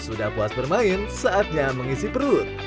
sudah puas bermain saatnya mengisi perut